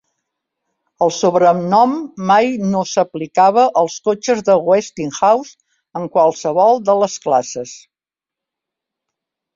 El sobrenom mai no s'aplicava als cotxes de Westinghouse en qualsevol de les classes.